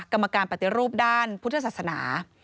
กรรมการปฏิรูปด้านพุทธศาสนา